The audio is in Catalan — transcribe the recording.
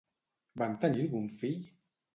Van tenir algun fill?